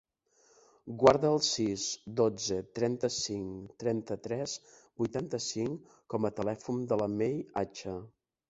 Guarda el sis, dotze, trenta-cinc, trenta-tres, vuitanta-cinc com a telèfon de la Mei Acha.